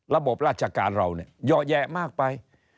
ระบบราชการเราเนี่ยเยอะแยะมากไป